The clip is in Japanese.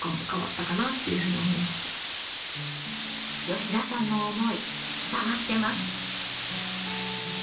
吉田さんの思い伝わってます。